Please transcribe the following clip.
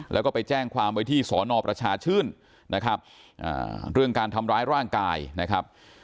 แล้วก็ไปแจ้งความไว้ที่สอนอประชาชื่นนะครับเรื่องการทำร้ายร่างกายนะครับ